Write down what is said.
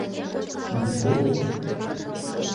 — Иктым.